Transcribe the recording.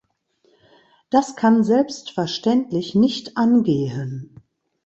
Das kann selbstverständlich nicht angehen.